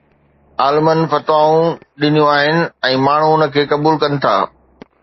عالمن فتوائون ڏنيون آهن ۽ ماڻهو ان کي قبول ڪن ٿا